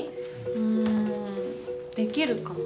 うんできるかも。